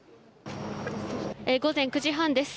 午前９時半です。